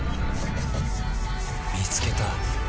見つけた。